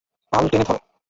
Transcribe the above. পাল টেনে ধরো!